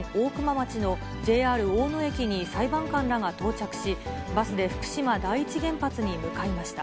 町のＪＲ大野駅に裁判官らが到着し、バスで福島第一原発に向かいました。